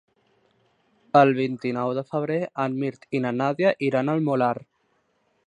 El vint-i-nou de febrer en Mirt i na Nàdia iran al Molar.